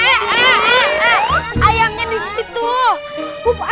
ini ayamnya di situ